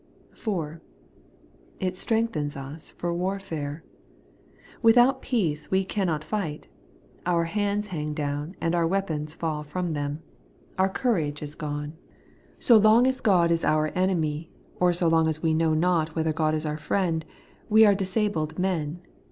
4. It strengthens us for warfare. Without peace we cannot fight. Our hands hang down, and our weapons fall from them. Our courage is gone. So 172 The Everlasting Righteovbsness. long as God is our enemy, or so long as we know not whether God is our friend, we are disabled men.